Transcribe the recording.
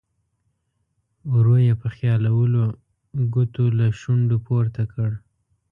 ورو یې په خیالولو ګوتو له شونډو پورته کړ.